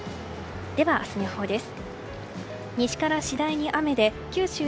では、明日の予報です。